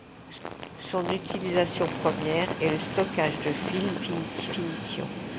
Son utilisation première est le stockage de films haute définition.